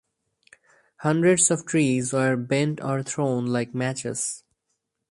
Hundreds of trees were bent or thrown like matches.